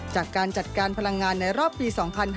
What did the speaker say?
จากการจัดการพลังงานในรอบปี๒๕๕๙